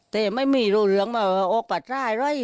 แบบไว้ไม่รู้เหรอมีแบบออกปัดได้เลย